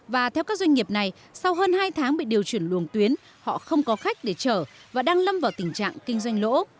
và theo các doanh nghiệp này sau hơn hai tháng bị điều chuyển luồng tuyến họ không có khách để chở và đang lâm vào tình trạng kinh doanh lỗ